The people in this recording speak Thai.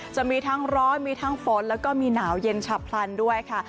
จะมีทั้งร้อนมีทั้งฝนแล้วก็มีหนาวเย็นฉับพลันด้วยค่ะ